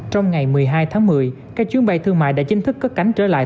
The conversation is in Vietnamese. trong ngày một mươi hai tháng một mươi các chuyến bay thương mại đã chính thức cất cánh trở lại